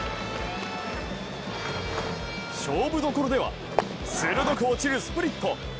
勝負どころでは鋭く落ちるスプリット。